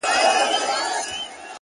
وخت د ارمانونو رښتینولي ازموي!.